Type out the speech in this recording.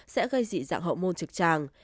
sẽ gây dị dạng hậu môn trực tràng